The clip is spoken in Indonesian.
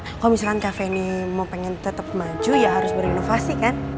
kalau misalkan cafe ini mau pengen tetep maju ya harus berinovasi kan